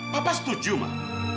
papa setuju mak